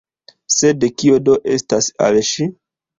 Sed kio do estas al ŝi?